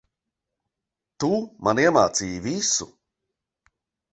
Tu, man iemācīji visu.